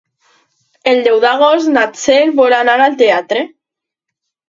El deu d'agost na Txell vol anar al teatre.